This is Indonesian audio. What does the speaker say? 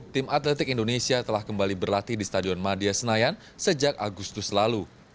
tim atletik indonesia telah kembali berlatih di stadion madia senayan sejak agustus lalu